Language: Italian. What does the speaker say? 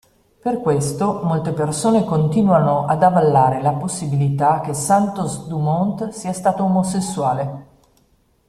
Per questo molte persone continuano a avallare la possibilità che Santos-Dumont sia stato omosessuale.